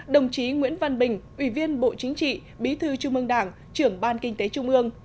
đồng chí nguyễn văn bình ủy viên bộ chính trị bí thư trung ương đảng trưởng ban kinh tế trung ương